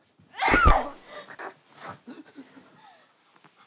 あっ。